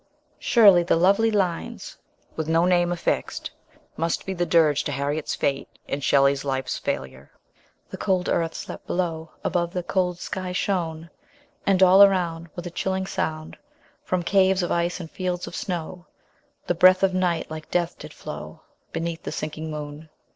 Surely the lovely "Lines/' with no name affixed, must be the dirge to Harriet's fate, and Shelley's life's failure : The cold earth slept below ; Aboye, the cold sky shone ; And all around With a chilling sound, From caves of ice and fields of snow, The breath of night like death did.flow Beneath the sinking moon.